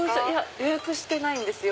予約してないんですよ。